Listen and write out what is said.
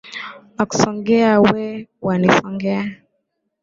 Nakusongea we wanisongea